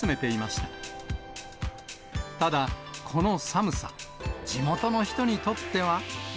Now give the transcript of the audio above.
ただ、この寒さ、地元の人にとっては。